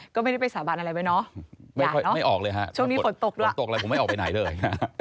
ก็ไม่ได้ไปสะบานอะไรไว้เนอะไม่ออกเลยฮะช่วงนี้ฝนตกด้วยผมไม่ออกไปไหนเลย